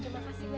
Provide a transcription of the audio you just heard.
terima kasih bu